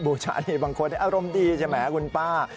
ผู้ชายบางคนอารมณ์ดีใช่ไหมคุณป้า